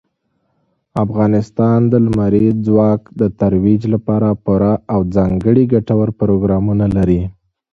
افغانستان د لمریز ځواک د ترویج لپاره پوره او ځانګړي ګټور پروګرامونه لري.